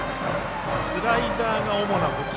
スライダーが主な武器。